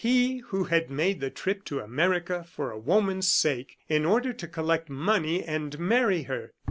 He who had made the trip to America for a woman's sake, in order to collect money and marry her!